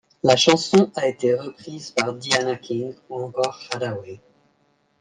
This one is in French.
La chanson a été reprise par Diana King ou encore Haddaway.